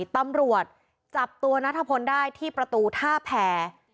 ตำรวจจับตัวนัทพลได้ที่ประตูท่าแพร